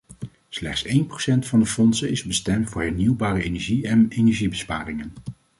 Slechts één procent van de fondsen is bestemd voor hernieuwbare energie en energiebesparingen.